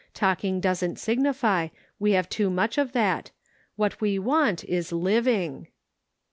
Talking doesn't signify; we have too much of that. What we want is living.